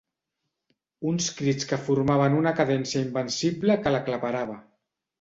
Uns crits que formaven una cadència invencible que l'aclaparava.